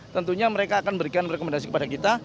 tentunya mereka akan memberikan rekomendasi kepada kita